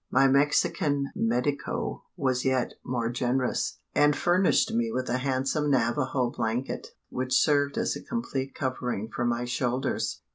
My Mexican medico was yet more generous, and furnished me with a handsome Navajo blanket, which served as a complete covering for my shoulders.